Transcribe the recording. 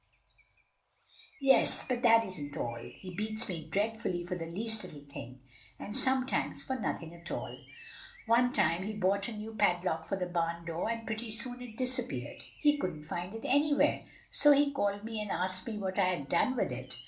"Yes, but that isn't all; he beats me dreadfully for the least little thing, and sometimes for nothing at all. One time he bought a new padlock for the barn door and pretty soon it disappeared. He couldn't find it anywhere, so he called me and asked me what I had done with it.